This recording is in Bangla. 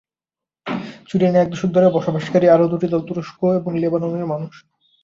সুইডেনে এক দশক ধরে বসবাসকারী আরও দুটি দল তুরস্ক এবং লেবাননের মানুষ।